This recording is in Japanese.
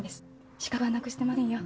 資格はなくしてませんよ。